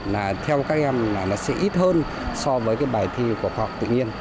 là theo các em là nó sẽ ít hơn so với cái bài thi của khoa học tự nhiên